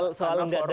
kalau seorang presiden